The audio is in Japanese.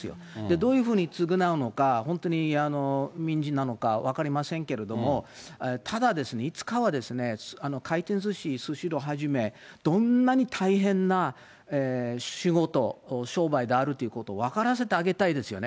どういうふうに償うのか、本当に民事なのか分かりませんけれども、ただ、いつかは回転ずし、スシローはじめ、どんなに大変な仕事、商売であるということを分からせてあげたいですよね。